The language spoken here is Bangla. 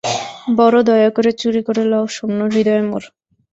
বড়ো দয়া করে চুরি করে লও শূন্য হৃদয় মোর!